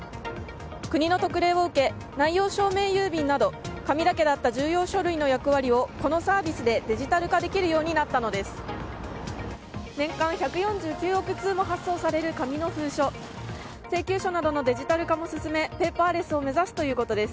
国の特例を受け内容証明郵便など紙だけだった重要書類の役割をこのサービスでデジタル化できるようになったのです。